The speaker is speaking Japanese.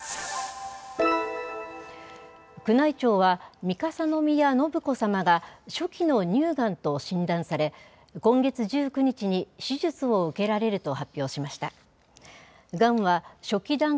宮内庁は、三笠宮信子さまが初期の乳がんと診断され、今月１９日に手術を受けられると発表しました。